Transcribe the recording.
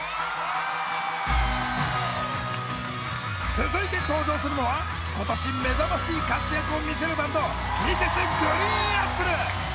続いて登場するのは今年目覚ましい活躍を見せるバンドＭｒｓ．ＧＲＥＥＮＡＰＰＬＥ！